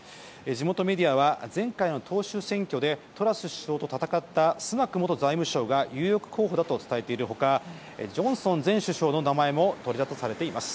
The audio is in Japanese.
地元メディアは前回の党首選挙でトラス首相と戦ったスナク元財務相が有力候補だと伝えている他ジョンソン前首相の名前も取り沙汰されています。